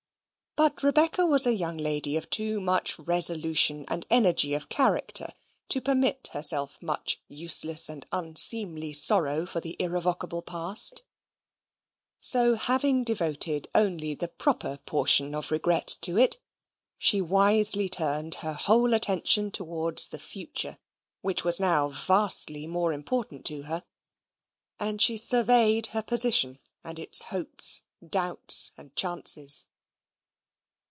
But Rebecca was a young lady of too much resolution and energy of character to permit herself much useless and unseemly sorrow for the irrevocable past; so, having devoted only the proper portion of regret to it, she wisely turned her whole attention towards the future, which was now vastly more important to her. And she surveyed her position, and its hopes, doubts, and chances.